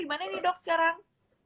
gimana nih dok sekarang